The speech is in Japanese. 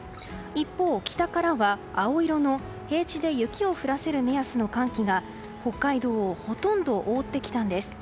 一方、北からは青色の平地で雪を降らせる目安の寒気が北海道をほとんど覆ってきたんです。